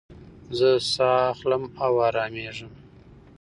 زه ساه اخلم او ارامېږم.